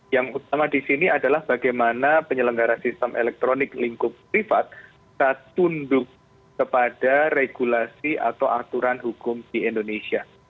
yang utama di sini adalah bagaimana penyelenggara sistem elektronik lingkup privat bisa tunduk kepada regulasi atau aturan hukum di indonesia